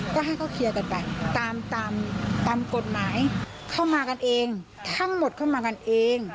ก็ให้เขาเคลียร์กันไปตามตามกฎหมายเข้ามากันเองทั้งหมดเข้ามากันเอง